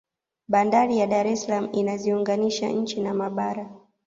bandari ya dar es salaam inaziunganisha nchi na mabara